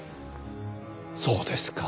そうですか。